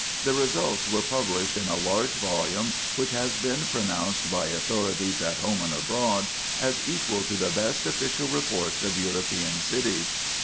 The results were published in a large volume which has been pronounced by authorities at home and abroad as equal to the best official reports of European cities.